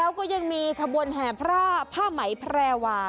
แล้วก็ยังมีขบวนแห่พระผ้าไหมแพรวา